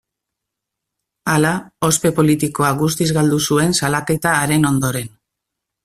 Hala, ospe politikoa guztiz galdu zuen salaketa haren ondoren.